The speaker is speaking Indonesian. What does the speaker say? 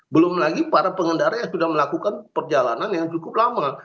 belum lagi para pengendara yang sudah melakukan perjalanan yang cukup lama